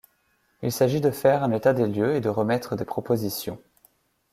Il s'agit de faire un état des lieux et de remettre des propositions.